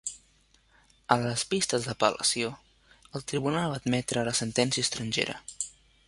A les vistes d'apel·lació, el tribunal va admetre la sentència estrangera.